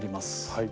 はい。